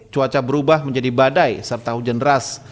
cuaca berubah menjadi badai serta hujan deras